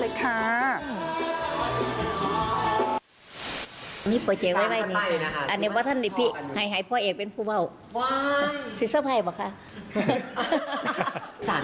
เกิดอะไรขึ้น